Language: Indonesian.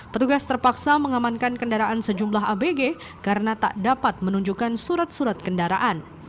petugas terpaksa mengamankan kendaraan sejumlah abg karena tak dapat menunjukkan surat surat kendaraan